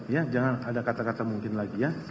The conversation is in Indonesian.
ya jangan ada kata kata mungkin lagi ya